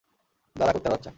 দাড়া, কুত্তার বাচ্চা!